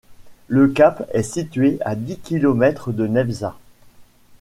Le cap est situé à dix kilomètres de Nefza.